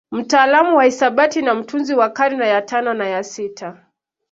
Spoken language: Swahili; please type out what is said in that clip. Mtaalamu wa hisabati na mtunzi wa karne ya tano na ya sita